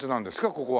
ここは。